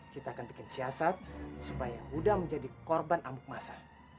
kita akan bikin siasat supaya mudah menjadi korban amuk masa